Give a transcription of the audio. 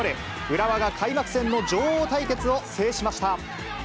浦和が開幕戦の女王対決を制しました。